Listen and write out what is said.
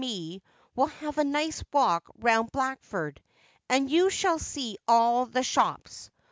me will have a nice walk round Blackford, and you shall see all the shops.